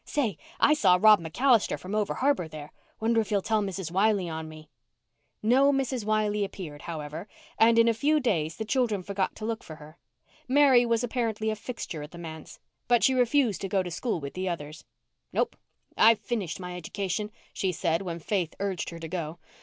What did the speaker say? Say, I saw Rob MacAllister from over harbour there. Wonder if he'll tell Mrs. Wiley on me." No Mrs. Wiley appeared, however, and in a few day the children forgot to look for her. Mary was apparently a fixture at the manse. But she refused to go to school with the others. "Nope. I've finished my education," she said, when Faith urged her to go.